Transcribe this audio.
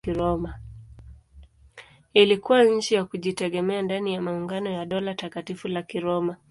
Ilikuwa nchi ya kujitegemea ndani ya maungano ya Dola Takatifu la Kiroma.